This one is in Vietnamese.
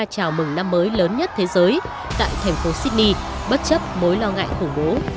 chào mừng năm mới lớn nhất thế giới tại thành phố sydney bất chấp mối lo ngại khủng bố